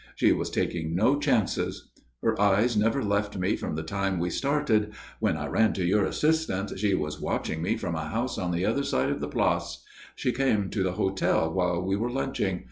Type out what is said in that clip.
She was taking no chances. Her eyes never left me from the time we started. When I ran to your assistance she was watching me from a house on the other side of the place. She came to the hotel while we were lunching.